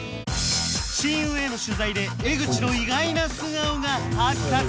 親友への取材で江口の意外な素顔が発覚！